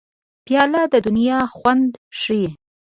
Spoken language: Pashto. پیاله د دنیا خوند ښيي.